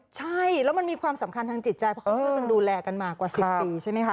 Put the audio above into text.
ใช่แล้วมันมีความสำคัญทางจิตใจเพราะเขาช่วยกันดูแลกันมากว่า๑๐ปีใช่ไหมคะ